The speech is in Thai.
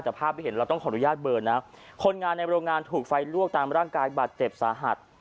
แต่ภาพที่เห็นเราต้องขออนุญาตเบอร์นะคนงานในโรงงานถูกไฟลวกตามร่างกายบาดเจ็บสาหัส